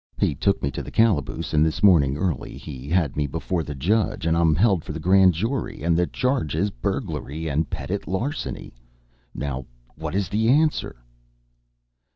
He took me to the calaboose, and this morning, early, he had me before the judge, and I'm held for the grand jury, and the charge is burglary and petit larceny. Now what is the answer?"